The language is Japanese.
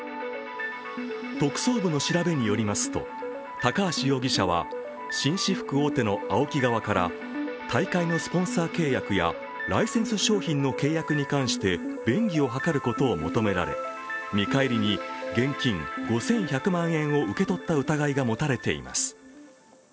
特捜部の調べによりますと高橋容疑者は紳士服大手のＡＯＫＩ側から大会のスポンサー契約やライセンス商品の契約に関して便宜を図ることを求められ見返りに現金５１００万円を受け取った疑いが持たれています。